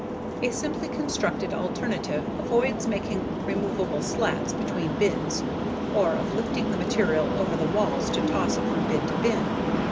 A simply constructed alternative avoids making removable slats between bins or of lifting the material over the walls to toss it from bin to bin.